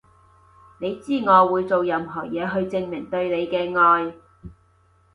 你知我會做任何嘢去證明對你嘅愛